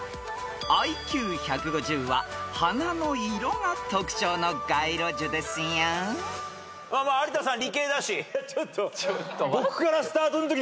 ［ＩＱ１５０は花の色が特徴の街路樹ですよ］では有田さん。